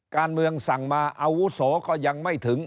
การเมืองสั่งมาอาวุโสก็ยังไม่ถึง